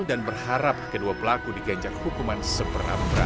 dan berharap kedua pelaku digajak hukuman seberang perang